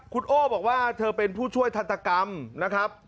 คุณโอ้บอกว่าเธอเป็นผู้ช่วยทันตกรรมนะครับ